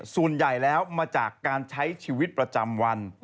ส่วนใหญ่แล้วมาจากการใช้ชีวิตประจำวัน